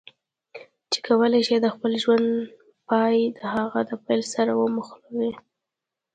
چې کولای شي د خپل ژوند پای د هغه د پیل سره وموښلوي.